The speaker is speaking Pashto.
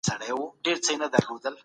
تاسو د رښتينولۍ بېلګه وړاندي کړې ده.